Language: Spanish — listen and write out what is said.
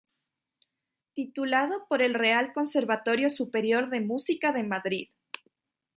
Titulado por el Real Conservatorio Superior de Música de Madrid.